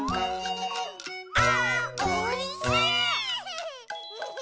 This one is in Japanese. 「あーおいしい！」